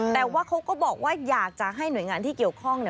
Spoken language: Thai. แต่ว่าเขาก็บอกว่าอยากจะให้หน่วยงานที่เกี่ยวข้องเนี่ย